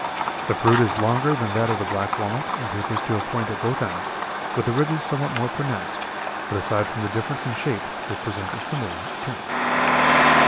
The fruit is longer than that of the black walnut and tapers to a point at both ends, with the ridges somewhat more pronounced, but aside from the difference in shape they present a similar appearance.